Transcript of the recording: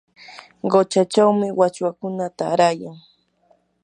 quchachawmi wachwakuna taarayan.